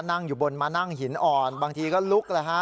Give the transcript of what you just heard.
นั่งอยู่บนมานั่งหินอ่อนบางทีก็ลุกเลยฮะ